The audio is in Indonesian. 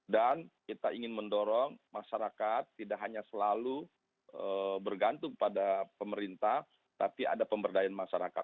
dan kita ingin mendorong masyarakat tidak hanya selalu bergantung pada pemerintah tapi ada pemberdayaan masyarakat